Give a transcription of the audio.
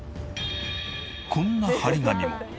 こんな貼り紙も。